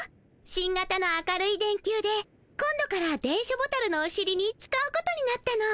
新がたの明るい電球で今度から電書ボタルのおしりに使うことになったの。